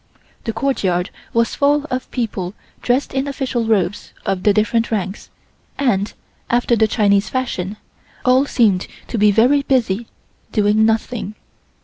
The courtyard was full of people dressed in official robes of the different ranks, and, after the Chinese fashion, all seemed to be very busy doing nothing.